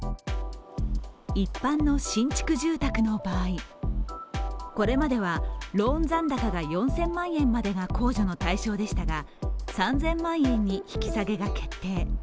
一般の新築住宅の場合、これまではローン残高が４０００万円までが控除の対象でしたが３０００万円に引き下げが決定。